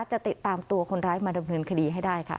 จะติดตามตัวคนร้ายมาดำเนินคดีให้ได้ค่ะ